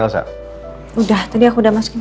lalu jumlah masa intinya doang jangan kemana mana